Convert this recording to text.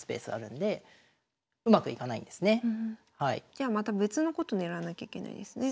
じゃあまた別のこと狙わなきゃいけないですね。